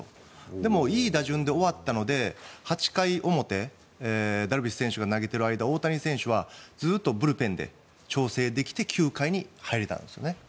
でもいい打順で終わったので８回表ダルビッシュ選手が投げている間大谷選手はずっとブルペンで調整できて９回に入れたんですよ。